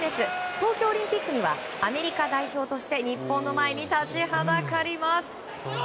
東京オリンピックにはアメリカ代表として日本の前に立ちはだかります。